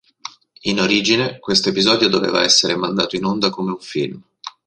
In origine questo episodio doveva essere mandato in onda come un film.